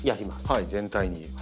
はい全体に。